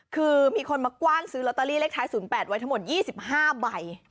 คือมีคนมากว้านซื้อลอตเตอรี่เลขท้าย๐๘ไว้ทั้งหมด๒๕ใบ